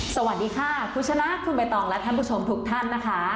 สวัสดีค่ะคุณชนะคุณใบตองและท่านผู้ชมทุกท่านนะคะ